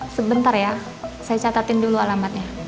sebentar ya saya catatin dulu alamatnya